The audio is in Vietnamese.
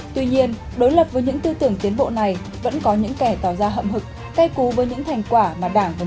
tuy nhiên đối lập với những tư tưởng tiến bộ này vẫn có những kẻ tỏ ra hậm hực cay cú với những thành quả mà đảng vô dụng